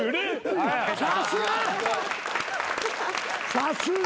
さすが！